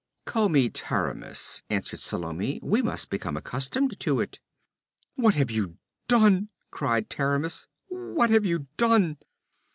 'Call me Taramis,' answered Salome. 'We must become accustomed to it.' 'What have you done?' cried Taramis. 'What have you done?'